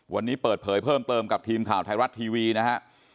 วันนี้เปิดเผยเพิ่มเติมกับทีมข่าวไทยรัฐทีวีนะฮะ